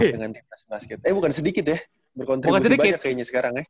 dengan timnas basket eh bukan sedikit ya berkontribusi banyak kayaknya sekarang ya